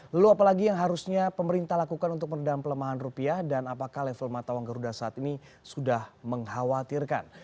lalu apalagi yang harusnya pemerintah lakukan untuk menedam pelemahan rupiah dan apakah level matawang geruda saat ini sudah mengkhawatirkan